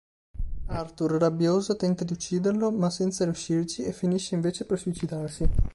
Arthur, rabbioso, tenta di ucciderlo ma senza riuscirci e finisce invece per suicidarsi.